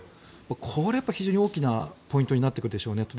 これは非常に大きなポイントになってくるでしょうねと。